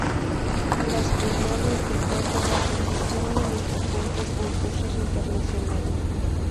Las Bienales de Córdoba consistieron en importantes concursos internacionales.